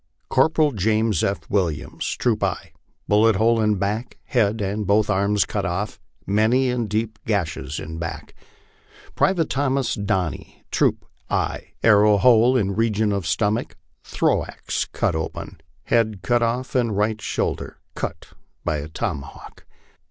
" Corporal James F. Williams, Troop I, bullet hole in back ; head and both arms cut off, many and deep gashes in back "Private Thomas Dooney, Troop I, arrow hole in region of stomach, thorax cut open, head cut off, and right shoulder cut by a tomahawk.